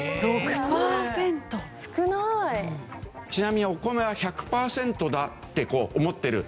ちなみにお米は１００パーセントだって思ってる。